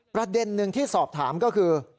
ประเด็นหนึ่งที่สอบถามก็คือ